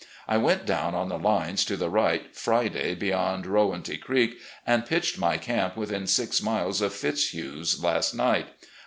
I went down on the lines to the right, Friday, beyond Rowanty Creek, and pitched my camp within six miles of Fitzhugh's last night.